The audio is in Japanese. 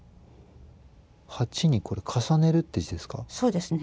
八にこれ重ねるって字ですか？